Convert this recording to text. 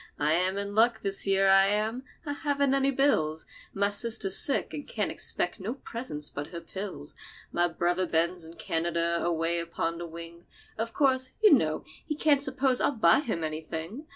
I am in luck, this year, I am. I haven't any bills. My sister's sick, and can't expect no presents but her pills. My brother Ben's in Canada, away upon the wing. Of course, you know he can't suppose I'll buy him anything.